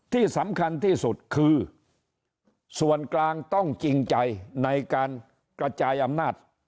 ที่สำคัญที่สุดคือส่วนกลางต้องจริงใจในการกระจายอำนาจ